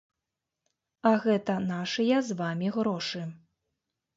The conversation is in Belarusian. А гэта нашыя з вамі грошы.